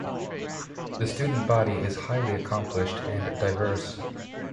The student body is highly accomplished and diverse.